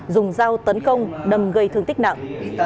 dùng dao tấn công đâm gây thương tích nặng